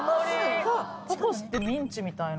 タコスってミンチみたいな。